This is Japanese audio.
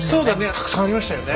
たくさんありましたよね。